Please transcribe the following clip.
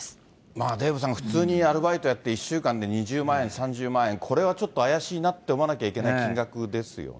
まあデーブさん、普通にアルバイトやって、１週間で２０万円、３０万円、これはちょっと怪しいなって思わなきゃいけない金額ですよね。